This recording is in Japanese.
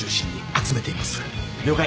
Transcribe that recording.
了解。